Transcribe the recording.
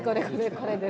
これです。